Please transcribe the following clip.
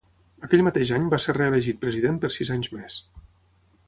Aquell mateix any va ser reelegit president per sis anys més.